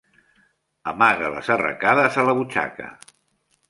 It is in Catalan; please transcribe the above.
Amaga les arracades a la butxaca.